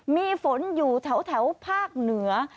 มีฝนอยู่แถวภาคเหนือ